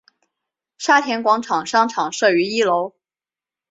沙田广场商场设于一楼。